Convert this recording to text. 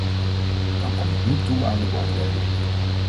Dan kom ik nu toe aan de beoordeling.